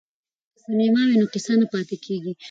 که سینما وي نو کیسه نه پاتیږي.